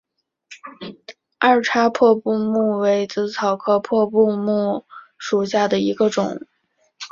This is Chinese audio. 二叉破布木为紫草科破布木属下的一个种。